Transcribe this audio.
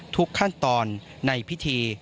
ทุกขั้นตอนในพิธี